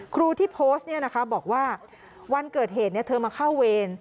ครูที่โพสต์บอกว่าวันเกิดเหตุเธอมาเข้าเวร